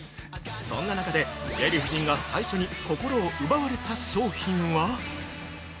そんな中で、デヴィ夫人が最初に心を奪われた商品は？